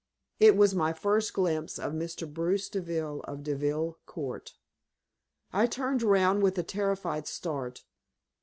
It was my first glimpse of Mr. Bruce Deville of Deville Court. I turned round with a terrified start.